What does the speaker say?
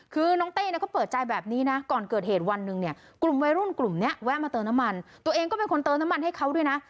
คือน้องเต้เนี่ยเขาเปิดใจแบบนี้นะก่อนเกิดเหตุวันหนึ่งเนี่ยกลุ่มวัยรุ่นกลุ่มนี้แวะมาเติมน้ำมันตัวเองก็เป็นคนเติมน้ำมันให้เขาด้วยนะ